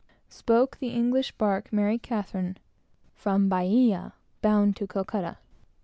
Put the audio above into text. Spoke the English bark Mary Catherine, from Bahia, bound to Calcutta.